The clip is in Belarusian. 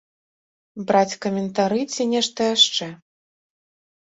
Браць каментары ці нешта яшчэ.